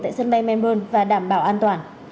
tại sân bay melbourne và đảm bảo an toàn